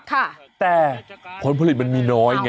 แต่ผลผลิตมันมีน้อยไง